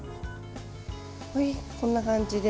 こんな感じで。